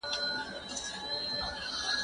زه به سبا ښوونځی ته ځم وم!؟